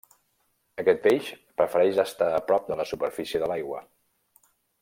Aquest peix prefereix estar a prop de la superfície de l'aigua.